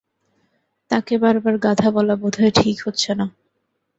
তাকে বার বার গাধা বলা বোধ হয় ঠিক হচ্ছে না।